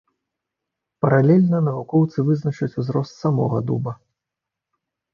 Паралельна навукоўцы вызначаць узрост самога дуба.